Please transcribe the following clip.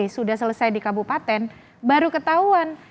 sudah selesai di kabupaten baru ketahuan